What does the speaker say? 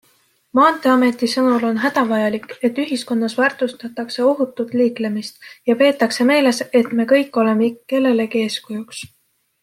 Maanteameti sõnul on hädavajalik, et ühiskonnas väärtustatakse ohutut liiklemist ja peetakse meeles, et me kõik oleme kellelegi eeskujuks.